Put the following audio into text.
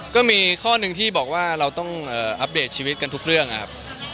ก็มีข้อหนึ่งที่บอกว่าเราต้องอัปเดตชีวิตกันทุกเรื่องครับ